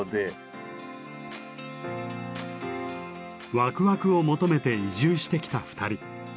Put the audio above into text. ワクワクを求めて移住してきた２人。